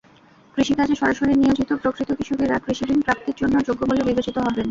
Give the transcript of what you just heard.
কৃষিকাজে সরাসরি নিয়োজিত প্রকৃত কৃষকেরা কৃষিঋণ প্রাপ্তির জন্য যোগ্য বলে বিবেচিত হবেন।